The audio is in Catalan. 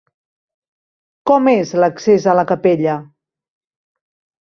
Com és l'accés a la capella?